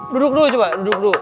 duduk dulu coba duduk dulu